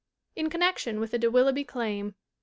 In Connection With the De Willoughby Claim, 1899.